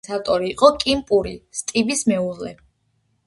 გარეკანის ავტორი იყო კიმ პური, სტივის მეუღლე.